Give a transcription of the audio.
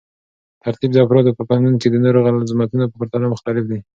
ترتیب د افرادو په فنون کې د نورو عظمتونو په پرتله مختلف دی.